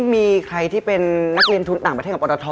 มีใครที่เป็นนักเรียนทุนต่างประเทศกับปรตท